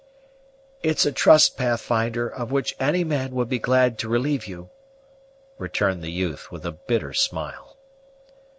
"It's a trust, Pathfinder, of which any man would be glad to relieve you," returned the youth, with a bitter smile.